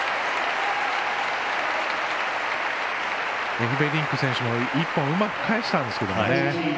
エフベリンク選手も１本返したんですけどね。